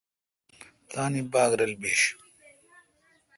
تان باگ رل بیش۔